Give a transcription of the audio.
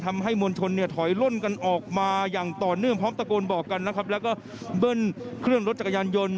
มวลชนเนี่ยถอยล่นกันออกมาอย่างต่อเนื่องพร้อมตะโกนบอกกันนะครับแล้วก็เบิ้ลเครื่องรถจักรยานยนต์